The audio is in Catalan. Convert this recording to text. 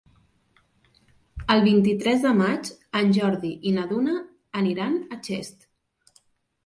El vint-i-tres de maig en Jordi i na Duna aniran a Xest.